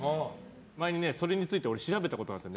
前に、それについて調べたことがあるんですよ。